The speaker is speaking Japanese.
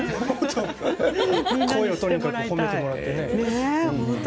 声を、とにかく褒めてもらってね。